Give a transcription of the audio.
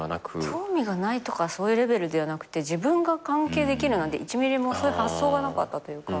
興味がないとかそういうレベルではなくて自分が関係できるなんて１ｍｍもそういう発想がなかったというか。